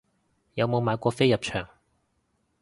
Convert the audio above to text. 有冇買過飛入場